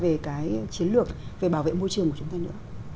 về cái chiến lược về bảo vệ môi trường của chúng ta nữa